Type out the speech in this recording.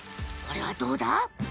これはどうだ？